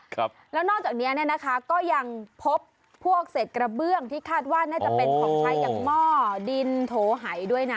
ครับแล้วนอกจากเนี้ยเนี้ยนะคะก็ยังพบพวกเศษกระเบื้องที่คาดว่าน่าจะเป็นของใช้อย่างหม้อดินโถหายด้วยนะ